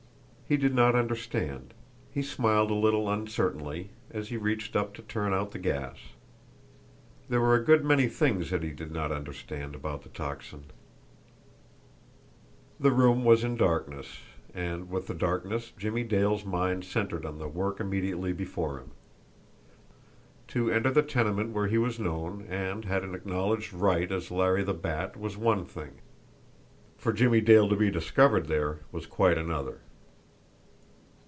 He did not understand, he smiled a little uncertainly, as he reached up to turn out the gas. There were a good many things that he did not understand about the Tocsin! The room was in darkness, and with the darkness Jimmie Dale's mind centred on the work immediately before him. To enter the tenement where he was known and had an acknowledged right as Larry the Bat was one thing; for Jimmie Dale to be discovered there was quite another.